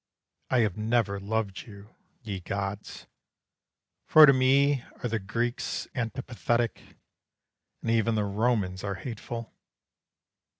I have never loved you, ye gods! For to me are the Greeks antipathetic, And even the Romans are hateful.